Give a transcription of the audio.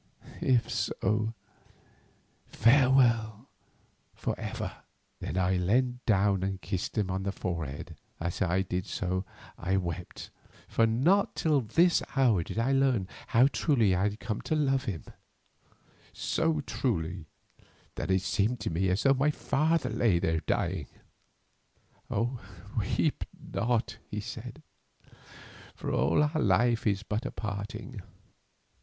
If so, farewell for ever." Then I leant down and kissed him on the forehead, and as I did so I wept, for not till this hour did I learn how truly I had come to love him, so truly that it seemed to me as though my father lay there dying. "Weep not," he said, "for all our life is but a parting.